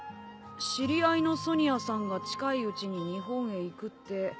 「知り合いのソニアさんが近いうちに日本へ行くって」